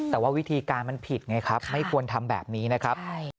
แต่ว่าวิธีการมันผิดไงครับไม่ควรทำแบบนี้นะครับ